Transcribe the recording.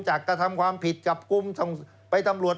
กระทำความผิดจับกลุ่มไปตำรวจ